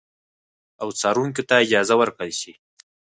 او څارونکو ته اجازه ورکړل شي